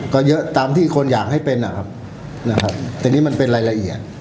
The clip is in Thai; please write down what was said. ก็เยอะตามที่คนอยากให้เป็นนะครับนะครับแต่นี่มันเป็นรายละเอียด